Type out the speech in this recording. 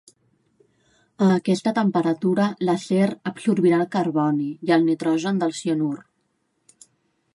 A aquesta temperatura l'acer absorbirà el carboni i el nitrogen del cianur.